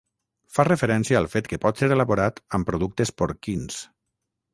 fa referència al fet que pot ser elaborat amb productes porquins